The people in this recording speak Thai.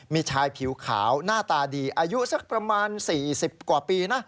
มีชายผิวขาวหน้าตาดีอายุสักประมาณ๔๐กว่าปีนะ